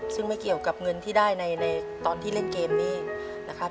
ซึ่งไม่เกี่ยวกับเงินที่ได้ในตอนที่เล่นเกมนี้นะครับ